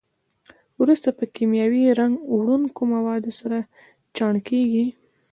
وروسته په کیمیاوي رنګ وړونکو موادو سره چاڼ کېږي.